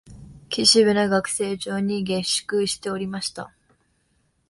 岸辺の学生町に下宿しておりました